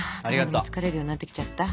疲れるようになってきちゃった。